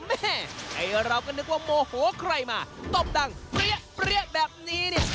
แม่ไอ้เราก็นึกว่าโมโหใครมาตบดังเปรี้ยเปรี้ยแบบนี้เนี่ย